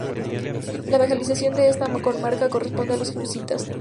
La evangelización de esta comarca correspondía a los jesuitas.